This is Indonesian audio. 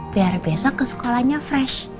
biar besok ke sekolahnya fresh